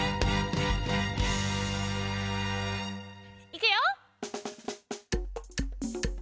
いくよ！